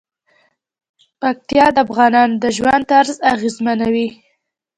پکتیا د افغانانو د ژوند طرز اغېزمنوي.